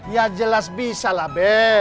ya jelas bisa lah